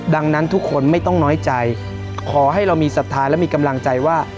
ดังนั้นทุกคนไม่ต้องน้อยใจขอให้เรามีศรัทธาและมีกำลังใจว่า